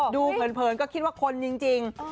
เผินก็คิดว่าคนจริง